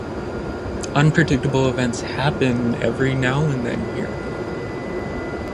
Unpredictable events happen every now and then here.